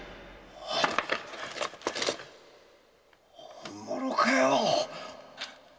本物かよ